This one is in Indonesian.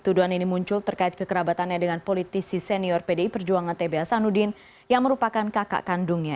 tuduhan ini muncul terkait kekerabatannya dengan politisi senior pdi perjuangan tb hasanuddin yang merupakan kakak kandungnya